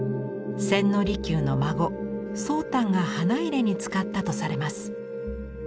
千利休の孫宗旦が花入れに使ったとされます。